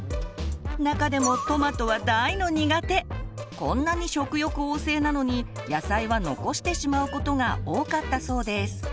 中でもこんなに食欲旺盛なのに野菜は残してしまうことが多かったそうです。